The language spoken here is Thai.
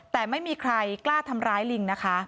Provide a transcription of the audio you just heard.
แต่ไม่มีใครกล้าทำร้ายลิงนะคะ